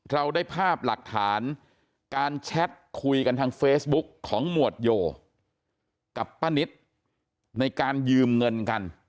เราได้ภาพหลักฐานการแชทคุยกันทางเฟซบุ๊กของหมวดโยกับป้านิตในการยืมเงินกัน